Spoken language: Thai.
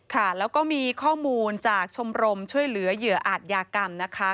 ค่ะแล้วก็มีข้อมูลจากชมรมช่วยเหลือเหยื่ออาจยากรรมนะคะ